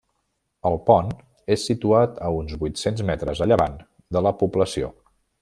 El pont és situat a uns vuit-cents metres a llevant de la població.